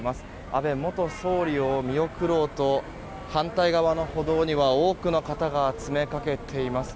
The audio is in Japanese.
安倍元総理を見送ろうと反対側の歩道には多くの方が詰めかけています。